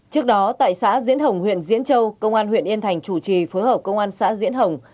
trước đó tại xã diễn hồng huyện diễn châu công an huyện yên thành chủ trì phối hợp công an xã diễn hồng